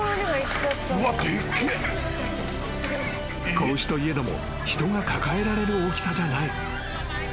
［子牛といえども人が抱えられる大きさじゃない］